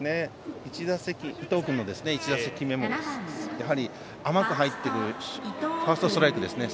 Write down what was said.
伊藤君の１打席目もやはり甘く入ってくるファーストストライクですね。